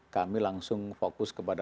kami langsung fokus kepada